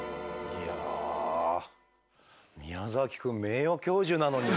いや宮崎くん名誉教授なのに。